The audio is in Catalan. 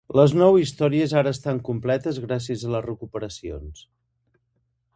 Les nou històries ara estan completes gràcies a les recuperacions.